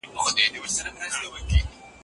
کور په کور پر هر قدم وي د غلیم ډلي ناولي